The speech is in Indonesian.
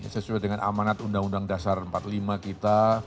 sesuai dengan amanat undang undang dasar empat puluh lima kita